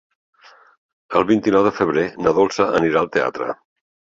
El vint-i-nou de febrer na Dolça anirà al teatre.